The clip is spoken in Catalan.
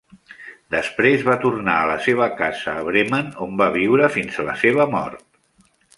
Després, va tornar a la seva casa a Bremen, on va viure fins la seva mort.